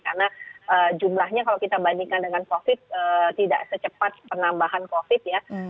karena jumlahnya kalau kita bandingkan dengan covid tidak secepat penambahan covid ya